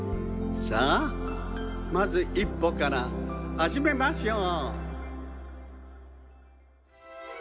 さあまず一歩からはじめましょう。